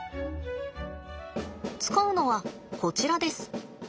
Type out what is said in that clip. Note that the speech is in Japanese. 使うのはこちらです。